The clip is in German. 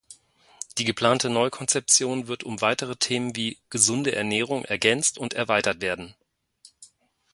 Die geplante Neukonzeption wird um weitere Themen wie „gesunde Ernährung“ ergänzt und erweitert werden.